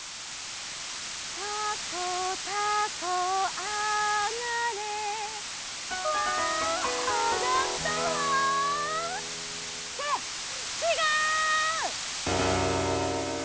「たこたこあがれ」わあがったわ！ってちがう！